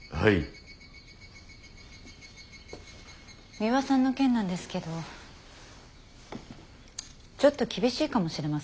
ミワさんの件なんですけどちょっと厳しいかもしれません。